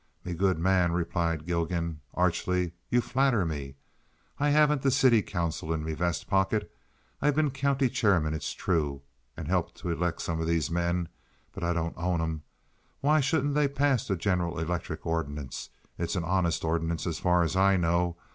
"Me good man," replied Gilgan, archly, "you flatter me. I haven't the city council in me vest pocket. I've been county chairman, it's true, and helped to elect some of these men, but I don't own 'em. Why shouldn't they pass the General Electric ordinance? It's an honest ordinance, as far as I know.